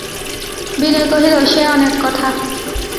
বিনয় কহিল, সে অনেক কথা।